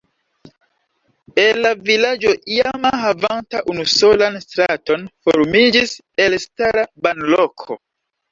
El la vilaĝo iam havanta unusolan straton formiĝis elstara banloko.